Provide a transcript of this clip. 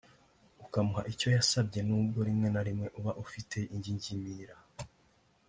ukamuha icyo yasabye n’ubwo rimwe na rimwe uba ufite ingingimira